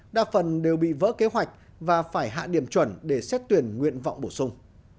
đa phần đều bị vỡ kế hoạch và phải hạ điểm chuẩn để xét tuyển nguyện vọng bổ sung